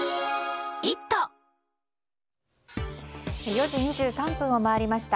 ４時２３分を回りました。